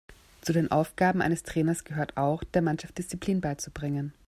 Zu den Aufgaben eines Trainers gehört auch, der Mannschaft Disziplin beizubringen.